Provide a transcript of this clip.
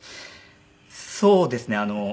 そうですね。